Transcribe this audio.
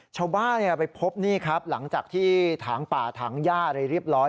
ชาวบ้านไปพบนี่ครับหลังจากที่ถางป่าถางย่าอะไรเรียบร้อย